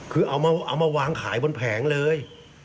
คือเอามาวางขายบนแผงเลย